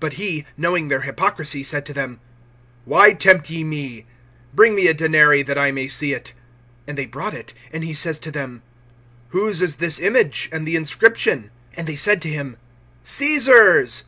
But he, knowing their hypocrisy, said to them: Why tempt ye me? Bring me a denary[12:15], that I may see it. (16)And they brought it. And he says to them: Whose is this image, and the inscription? And they said to him: Caesar's.